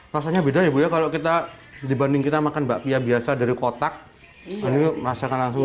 rasanya beda ya bu ya kalau kita dibanding kita makan bakpia biasa dari kotak ini merasakan langsung